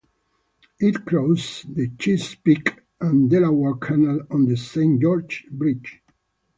It crosses the Chesapeake and Delaware Canal on the Saint Georges Bridge.